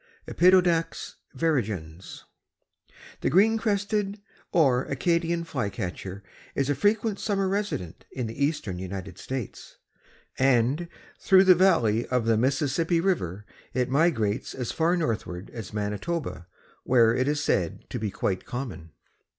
(Empidonax virescens.) The Green crested or Acadian Flycatcher is a frequent summer resident in the eastern United States, and through the valley of the Mississippi river it migrates as far northward as Manitoba, where it is said to be quite common.